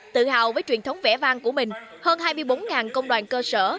tự hào với truyền thống vẽ vang của mình hơn hai mươi bốn công đoàn cơ sở